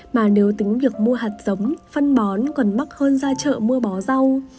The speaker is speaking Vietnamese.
mà nếu tính việc mua hạt giống phân bón còn mắc hơn ra chợ mua bó rau